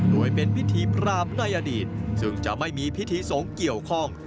โดยเป็นพิธีพรามในอดีตซึ่งจะไม่มีพิธีสงฆ์เกี่ยวข้อง